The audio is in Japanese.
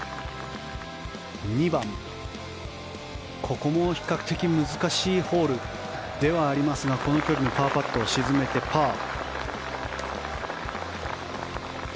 ２番も比較的難しいホールでしたがこの距離のパーパットを沈めてパー。